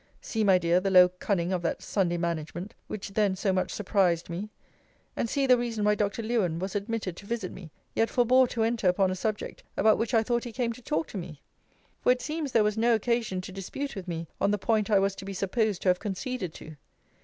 See, my dear, the low cunning of that Sunday management, which then so much surprised me! And see the reason why Dr. Lewen was admitted to visit me, yet forbore to enter upon a subject about which I thought he came to talk to me! For it seems there was no occasion to dispute with me on the point I was to be supposed to have conceded to.